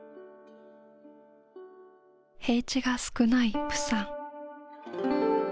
平地が少ない釜山。